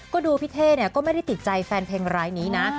ก็ดูพี่เท่เนี่ยก็ไม่ได้ติดใจแฟนเพลงรายนี้นะ